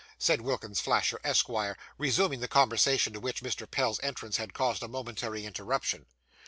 said Wilkins Flasher, Esquire, resuming the conversation to which Mr. Pell's entrance had caused a momentary interruption.